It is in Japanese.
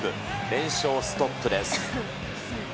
連勝ストップです。